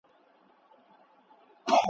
زه به شمع غوندي ستا په لار کي بل سم ,